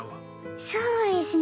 そうですね